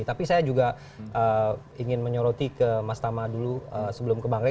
tapi saya juga ingin menyoroti ke mas tama dulu sebelum ke bang ray